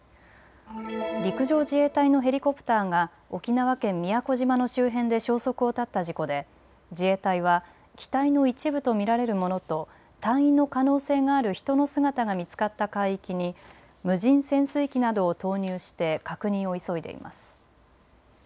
陸上自衛隊のヘリコプターが沖縄県宮古島の周辺で消息を絶った事故で自衛隊は機体の一部と見られるものと隊員の可能性がある人の姿が見つかった海域に無人潜水機などを投入して確認を急いでいます。